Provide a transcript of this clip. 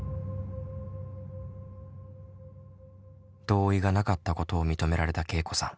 同意がなかったことを認められたけいこさん。